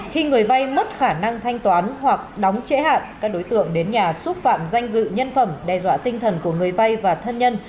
khi người vay mất khả năng thanh toán hoặc đóng trễ hạn các đối tượng đến nhà xúc phạm danh dự nhân phẩm đe dọa tinh thần của người vay và thân nhân